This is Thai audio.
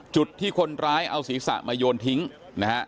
จุดที่คนร้ายเอาศีรษะมาโยนทิ้งนะฮะ